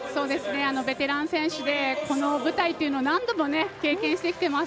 ベテラン選手でこの舞台というのを何度も経験してきています。